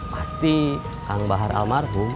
pasti kang bahar almarhum